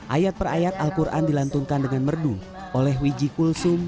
ayat per ayat al quran dilantunkan dengan merdu oleh wiji kulsum